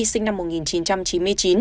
sinh năm một nghìn chín trăm chín mươi chín